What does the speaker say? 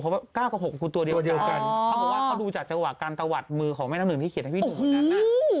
เพราะว่า๙กับ๖คือตัวเดียวกันเขาบอกว่าเขาดูจากจังหวะการตะวัดมือของแม่น้ำหนึ่งที่เขียนให้พี่หนุ่มคนนั้น